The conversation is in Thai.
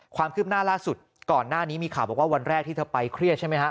ความคืบหน้าล่าสุดก่อนหน้านี้มีข่าวบอกว่าวันแรกที่เธอไปเครียดใช่ไหมฮะ